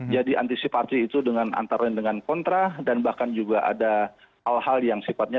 jadi antisipasi itu dengan antara dengan kontra dan bahkan juga ada hal hal yang sifatnya